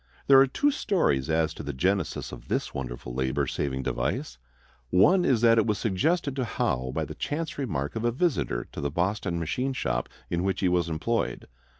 There are two stories as to the genesis of this wonderful labor saving device. One is that it was suggested to Howe by the chance remark of a visitor to the Boston machine shop in which he was employed.